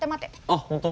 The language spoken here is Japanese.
あっ本当？